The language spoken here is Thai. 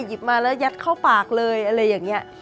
หยิบมาแล้วยัดเข้าปากเลยอะไรอย่างนี้